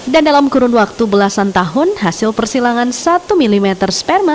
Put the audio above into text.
dan dalam kurun waktu belasan tahun hasil persilangan satu mm sperma